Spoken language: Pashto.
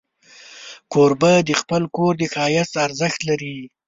کوربه د خپل کور د ښایست ارزښت لري.